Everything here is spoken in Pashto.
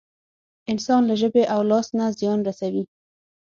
انسان له ژبې او لاس نه زيان رسوي.